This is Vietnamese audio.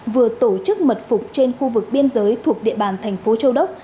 vừa tổ chức mật phục trên khu vực biên giới thuộc địa bàn thành phố châu đốc